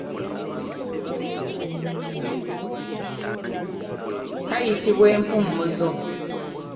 Kayitibwa empumuzo.